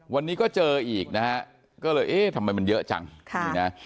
วันนี้ก็เจออีกนะฮะก็เลยเอ๊ะทำไมมันเยอะจังนี่นะ